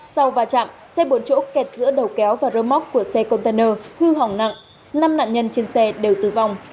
sau va chạm xe bốn chỗ kẹt giữa đầu kéo và rơ móc của xe container hư hỏng nặng năm nạn nhân trên xe đều tử vong